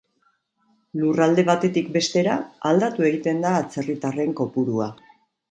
Lurralde batetik bestera aldatu egiten da atzerritarren kopurua.